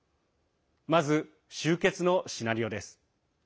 まず、終結のシナリオです。